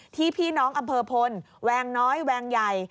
พี่น้องอำเภอพลแวงน้อยแวงใหญ่